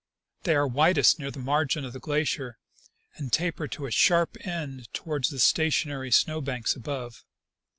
They are widest near the margin of the glacier and taper to a sharp end towards the stationary snow banks above.